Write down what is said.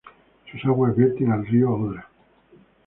Sus aguas vierten al río Odra.